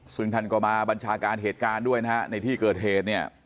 ซึ่งท่านก็มาบัญชาการเหตุการณ์ด้วยนะฮะในที่เกิดเหตุเนี่ย